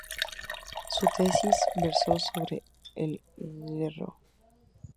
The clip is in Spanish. Su tesis versó sobre el Gro.